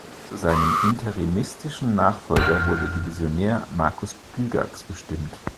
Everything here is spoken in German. Zu seinem interimistischen Nachfolger wurde Divisionär Markus Gygax bestimmt.